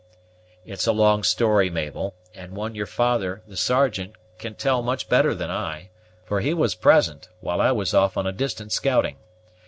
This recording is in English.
"It is a long story, Mabel, and one your father, the Sergeant, can tell much better than I; for he was present, while I was off on a distant scouting.